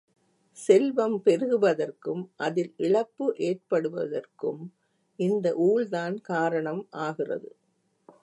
செல்வம் பெருகுவதற்கும், அதில் இழப்பு ஏற்படுவதற்கும் இந்த ஊழ்தான் காரணம் ஆகிறது.